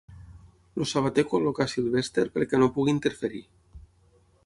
El sabater col·loca a Sylvester perquè no pugui interferir.